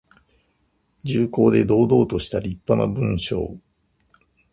重厚で堂々としたりっぱな文章。